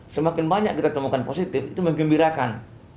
semakin banyak kita temukan positif itu mengembirakan